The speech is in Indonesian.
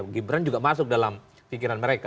gibran juga masuk dalam pikiran mereka